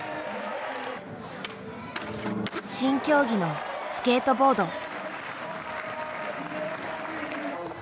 新競技のスケートボード。